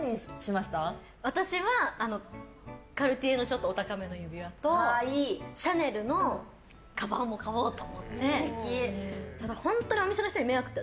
私はカルティエのちょっとお高めの指輪とシャネルのかばんを買おうと。